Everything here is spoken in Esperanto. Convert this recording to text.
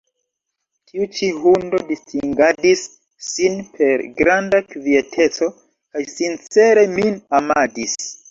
Tiu ĉi hundo distingadis sin per granda kvieteco kaj sincere min amadis.